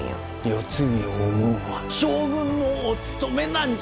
世継ぎを生むんは将軍のおつとめなんじゃ。